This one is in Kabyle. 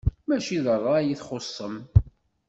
Mačči d ṛṛay i txuṣṣem.